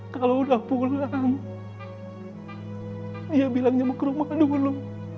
kalau udah pulang dia bilangnya mau ke rumah dulu